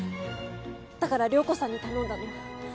だから涼子さんに頼んだの。